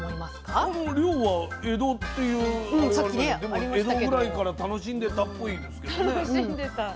この漁は江戸っていうあれがありましたけどでも江戸ぐらいから楽しんでたっぽいですけどね。